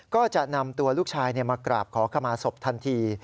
ก็จะนำตัวลูกชายมากราบขอขมาศพทันที